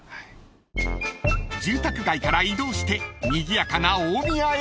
［住宅街から移動してにぎやかな大宮駅前へ］